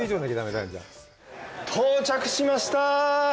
到着しました！